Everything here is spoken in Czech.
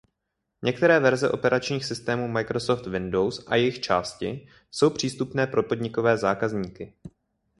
Některé verze operačních systémů Microsoft Windows a jejich části jsou přístupné pro podnikové zákazníky.